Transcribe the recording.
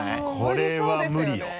これは無理よ。